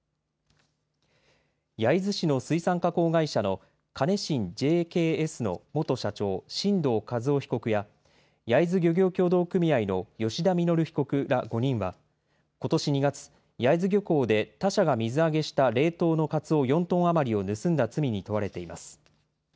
焼津市の水産加工会社のカネシンＪＫＳの元社長、進藤一男被告や、焼津漁業協同組合の吉田稔被告ら５人は、ことし２月、焼津漁港で他社が水揚げした冷凍のカツオ４トン余りを盗んだ罪に問われています。